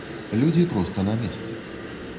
Людзі проста на месцы.